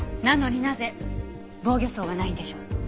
なのになぜ防御創がないんでしょう？